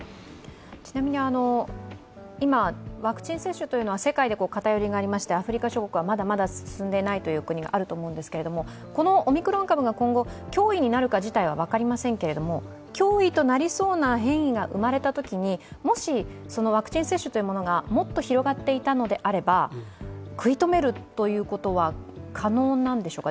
ちなみに今、ワクチン接種というのは世界で偏りがありましてアフリカ諸国はまだまだ進んでいな国があると思うんですけどこのオミクロン株が今後、脅威になるか自体は分かりませんが脅威となりそうな変異が生まれたときに、もしワクチン接種がもっと広がっていたのであれば食い止めるということは可能なんでしょうか？